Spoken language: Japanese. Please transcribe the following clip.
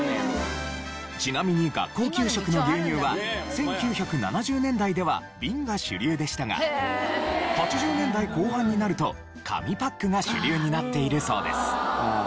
ちなみに学校給食の牛乳は１９７０年代では瓶が主流でしたが８０年代後半になると紙パックが主流になっているそうです。